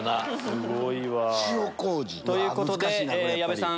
すごいわ。ということで矢部さん